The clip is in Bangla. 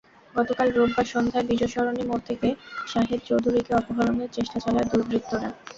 গতকাল রোববার সন্ধ্যায় বিজয় সরণি মোড় থেকে শাহেদ চৌধুরীকে অপহরণের চেষ্টা চালায় দুর্বৃত্তরা।